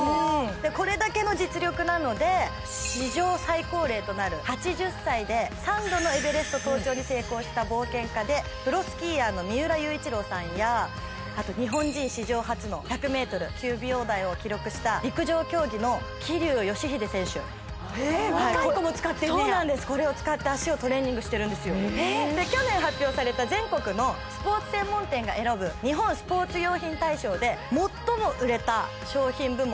これだけの実力なので史上最高齢となる８０歳で３度のエベレスト登頂に成功した冒険家でプロスキーヤーの三浦雄一郎さんやあと日本人史上初の１００ｍ９秒台を記録した陸上競技の桐生祥秀選手えっ若い子も使ってんねやそうなんですこれを使って脚をトレーニングしてるんですよ去年発表された全国のスポーツ専門店が選ぶ日本スポーツ用品大賞で「最も売れた商品部門」